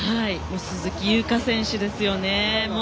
鈴木優花選手ですね。